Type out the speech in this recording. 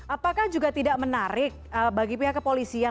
apakah juga tidak menarik bagi pihak kepolisian